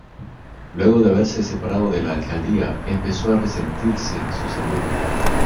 Luego de haberse separado de la alcaldía, empezó a resentirse su salud.